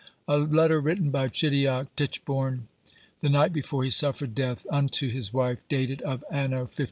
"A letter written by CHEDIOCK TICHEBURNE the night before he suffered death, vnto his wife, dated of anno 1586.